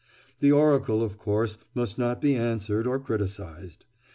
The oracle, of course, must not be answered or criticised.